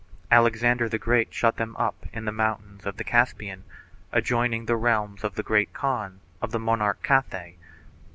Alexander the Great shut them up in the mountains of the Caspian, adjoining the realms of the Great Khan or monarch of Cathay.